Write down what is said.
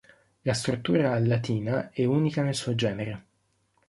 La struttura a Latina è unica nel suo genere.